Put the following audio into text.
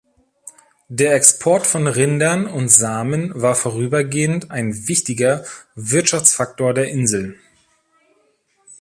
Der Export von Rindern und Samen war vorübergehend ein wichtiger Wirtschaftsfaktor der Insel.